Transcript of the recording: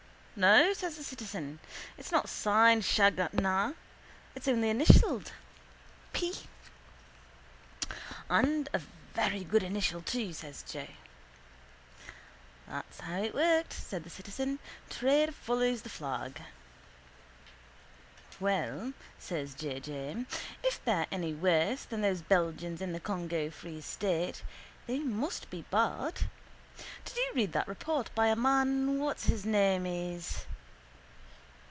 —No, says the citizen. It's not signed Shanganagh. It's only initialled: P. —And a very good initial too, says Joe. —That's how it's worked, says the citizen. Trade follows the flag. —Well, says J. J., if they're any worse than those Belgians in the Congo Free State they must be bad. Did you read that report by a man what's this his name is?